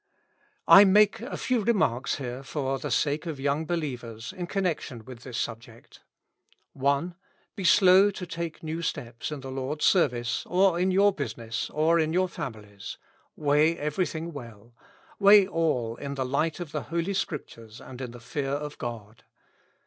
I make a few remarks here for the sake of young believers in connection with this subject : i. Be slow to take new steps in the Lord's service, or in your business, or in your families : weigh everything well ; weigh all in the light of the Holy Scriptures and in the fear of God.